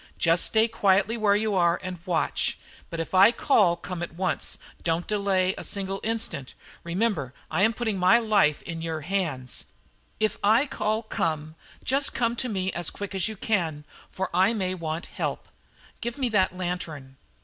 Just stay quietly where you are and watch, but if I call come at once. Don't delay a single instant. Remember I am putting my life into your hands. If I call 'Come,' just come to me as quick as you can, for I may want help. Give me that lantern."